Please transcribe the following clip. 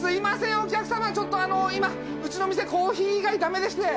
お客様ちょっと今うちの店コーヒー以外ダメでして。